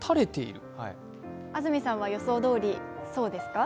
安住さんは予想どおり、そうですか？